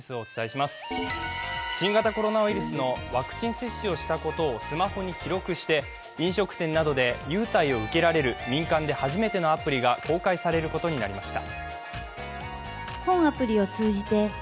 新型コロナウイルスのワクチン接種をしたことをスマホに記録して飲食店などで優待を受けられる民間で初めてのアプリが公開されることになりました。